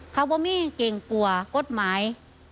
เขาบ่มี่เก่งกลัวกฎหมาย